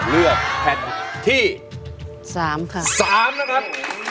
เลือกแผ่นที่๓ค่ะ๓นะครับ